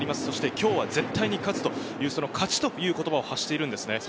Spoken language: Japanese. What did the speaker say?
今日は絶対に勝つという、勝ちという言葉を発しているんです。